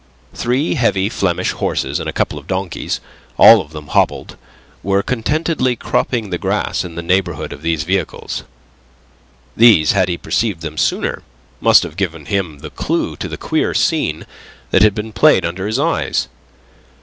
Three heavy Flemish horses and a couple of donkeys all of them hobbled were contentedly cropping the grass in the neighbourhood of these vehicles. These, had he perceived them sooner, must have given him the clue to the queer scene that had been played under his eyes.